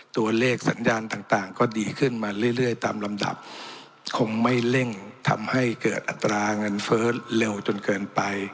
ตัวเลขสัญญาณต่างก็ดีขึ้นมาเรื่อยตามลำดับคงไม่เร่งทำให้เกิดอัตราเงินเฟ้อเร็วจนเกินไป